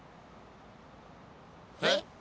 えっ？